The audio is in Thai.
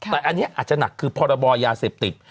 แต่อันนี้อาจจะหนักคือพรบยาเสพติด